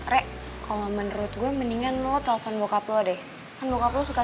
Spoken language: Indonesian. req kalau menurut gue mendingan lu telpon bokap lo deh kan bokap lu suka